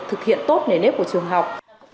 thực hiện tốt nền nếp của trường học